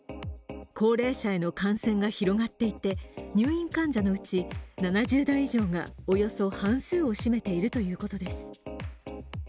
高齢者への感染が広がっていて、入院患者のうち７０代以上がおよそ半数を占めているということです。